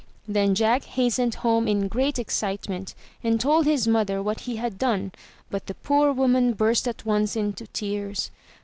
Then Jack hastened home in great excitement and told his mother what he had done, but the poor woman burst at once into tears.